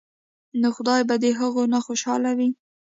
نو خدائے به د هغو نه خوشاله وي ـ